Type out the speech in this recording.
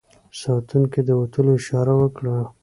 ساتونکو د وتلو اشاره وکړه.